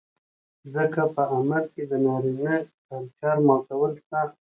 ځکه په عمل کې د نارينه کلچر ماتول سخت و